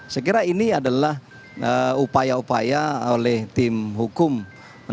saya kira ini adalah upaya upaya oleh tim hukum